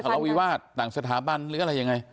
ขอร้องวิวาสต่างสถาบันหรืออะไรอย่างไร